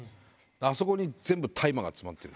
あそこに全部大麻が詰まってる。